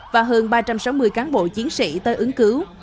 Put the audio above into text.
và hơn ba trăm sáu mươi cán bộ chiến sĩ tới ứng cứu